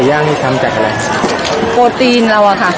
ไก่ย่างนี่ทำกลับอะไรเงินโปร์ทีนเราอะค่ะ